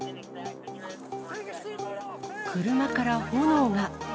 車から炎が。